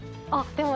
でも。